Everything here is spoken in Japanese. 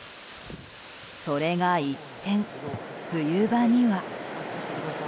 それが一転、冬場には。